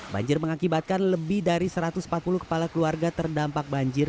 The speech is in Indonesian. banjir mengakibatkan lebih dari satu ratus empat puluh kepala keluarga terdampak banjir